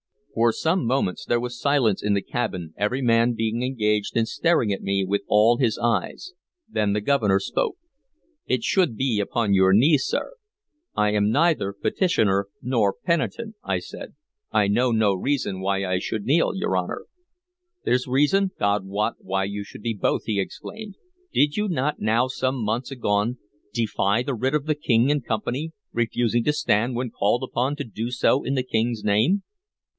For some moments there was silence in the cabin, every man being engaged in staring at me with all his eyes; then the Governor spoke: "It should be upon your knees, sir." "I am neither petitioner nor penitent," I said. "I know no reason why I should kneel, your Honor." "There 's reason, God wot, why you should be both!" he exclaimed. "Did you not, now some months agone, defy the writ of the King and Company, refusing to stand when called upon to do so in the King's name?"